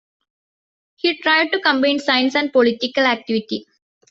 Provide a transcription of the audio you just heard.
He tried to combine science and political activity.